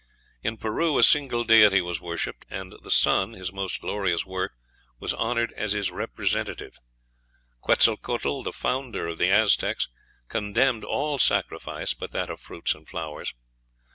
In Peru a single deity was worshipped, and the sun, his most glorious work, was honored as his representative. Quetzalcoatl, the founder of the Aztecs, condemned all sacrifice but that of fruits and flowers.